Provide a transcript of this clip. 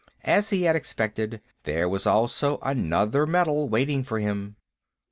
As he had expected, there was also another medal waiting for him.